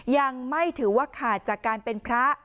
ยังไม่ถือว่าขาดจากการเป็นพระ